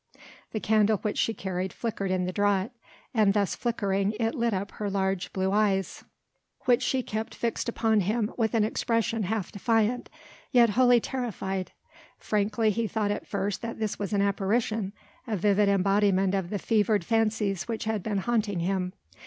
The candle which she carried flickered in the draught, and thus flickering it lit up her large blue eyes which she kept fixed upon him with an expression half defiant yet wholly terrified. Frankly he thought at first that this was an apparition, a vivid embodiment of the fevered fancies which had been haunting him.